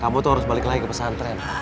kamu tuh harus balik lagi ke pesantren